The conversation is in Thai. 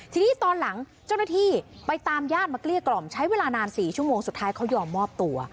ทีนี้ตอนหลังเจ้าหน้าที่ไปตามญาติมาเกลี้ยกล่อมใช้เวลานาน๔ชั่วโมงสุดท้ายเขายอมมอบตัว